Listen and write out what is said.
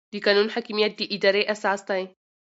د قانون حاکمیت د ادارې اساس دی.